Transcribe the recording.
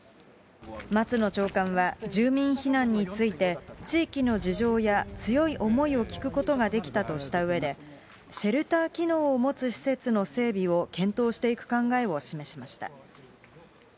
松野長官は住民避難について、地域の事情や強い思いを聞くことができたとしたうえで、シェルター機能を持つ施設の整備を検討していく考えを示しました。